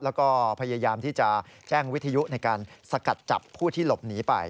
แล้วก็พยายามที่จะแจ้งวิทยุในการสกัดจับผู้ที่หลบหนีไป